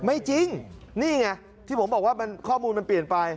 จริงนี่ไงที่ผมบอกว่าข้อมูลมันเปลี่ยนไป